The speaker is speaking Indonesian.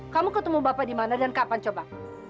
kamu ketemu bapak di mana dan kapan coba